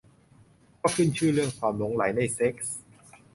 ก็ขึ้นชื่อเรื่องความหลงใหลในเซ็กส์